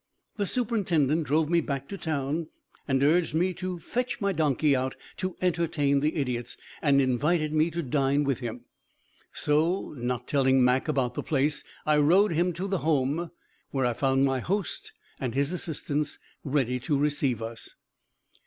The superintendent drove me back to town and urged me to fetch my donkey out to entertain the idiots, and invited me to dine with him. So not telling Mac about the place, I rode him to the Home, where I found my host and his assistants ready to receive us.